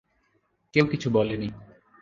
কেউ কিছু বলেনি।